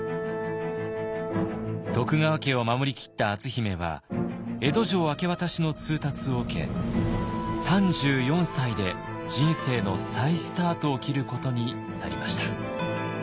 徳川家を守りきった篤姫は江戸城明け渡しの通達を受け３４歳で人生の再スタートを切ることになりました。